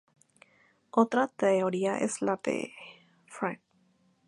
Otra teoría es la de Fr.